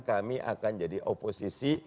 kami akan jadi oposisi